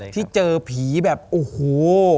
ที่เจอผีแบบโอ้โห